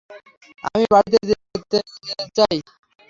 আমি বাড়িতে যেতে চাই।